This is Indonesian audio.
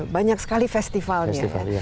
banyak sekali festivalnya